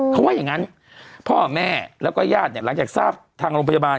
เขาว่าอย่างนั้นพ่อแม่แล้วก็ญาติเนี่ยหลังจากทราบทางโรงพยาบาล